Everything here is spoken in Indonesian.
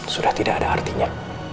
sudah tidak ada artinya